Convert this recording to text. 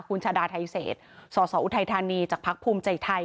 คุณชาดาไทเศษสสออุทัยธานีจากพักภูมิใจไทย